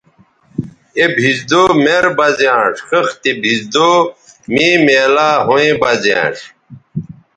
اے بھیزدو مر بہ زیانݜ خِختے بھیزدو مے میلاو ھویں بہ زیانݜ